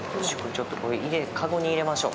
ちょっとこれかごに入れましょう。